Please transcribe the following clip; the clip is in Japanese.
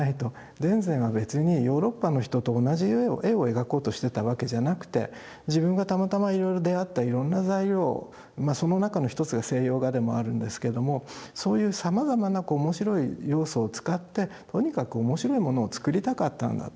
田善は別にヨーロッパの人と同じ絵を描こうとしてたわけじゃなくて自分がたまたまいろいろ出会ったいろんな材料をまあその中の一つが西洋画でもあるんですけどもそういうさまざまな面白い要素を使ってとにかく面白いものを作りたかったんだと。